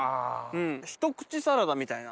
ひとくちサラダみたいな。